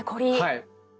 はい。